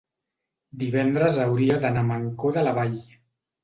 Divendres hauria d'anar a Mancor de la Vall.